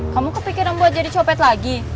kamu kepikiran buat jadi copet lagi